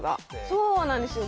そうなんですよ。